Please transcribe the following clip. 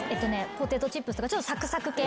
ポテトチップスとかちょっとサクサク系。